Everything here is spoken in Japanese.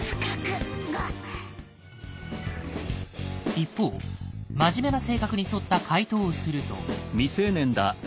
一方真面目な性格に沿った回答をすると。